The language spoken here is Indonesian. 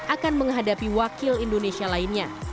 akan menghadapi wakil indonesia lainnya